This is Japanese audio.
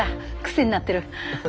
癖になってる。